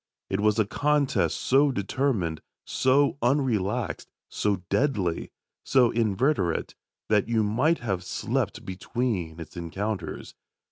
It was a contest so determined, so unrelaxed, so deadly, so inveterate that you might have slept between its encounters.